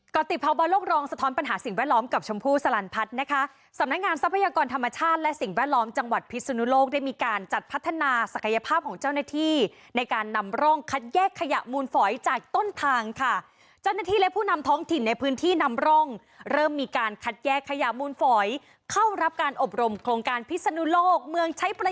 ติภาวะโลกรองสะท้อนปัญหาสิ่งแวดล้อมกับชมพู่สลันพัฒน์นะคะสำนักงานทรัพยากรธรรมชาติและสิ่งแวดล้อมจังหวัดพิศนุโลกได้มีการจัดพัฒนาศักยภาพของเจ้าหน้าที่ในการนำร่องคัดแยกขยะมูลฝอยจากต้นทางค่ะเจ้าหน้าที่และผู้นำท้องถิ่นในพื้นที่นำร่องเริ่มมีการคัดแยกขยะมูลฝอยเข้ารับการอบรมโครงการพิศนุโลกเมืองใช้ประ